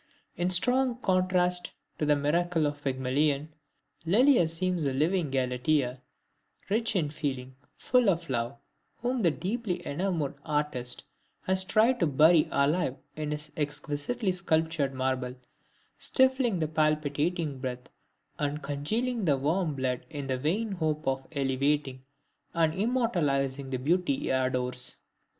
In strong contrast to the miracle of Pygmalion, Lelia seems a living Galatea, rich in feeling, full of love, whom the deeply enamored artist has tried to bury alive in his exquisitely sculptured marble, stifling the palpitating breath, and congealing the warm blood in the vain hope of elevating and immortalizing the beauty he adores.